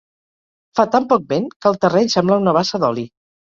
Fa tan poc vent que el terreny sembla una bassa d'oli.